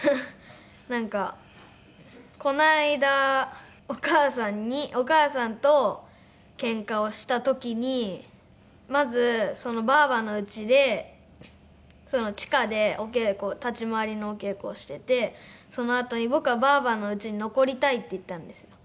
なんかこの間お母さんにお母さんとけんかをした時にまずばあばのうちで地下でお稽古立ち回りのお稽古をしててそのあとに僕は「ばあばのうちに残りたい」って言ったんですよ。